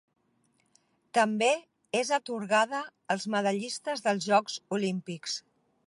També és atorgada als medallistes dels Jocs Olímpics.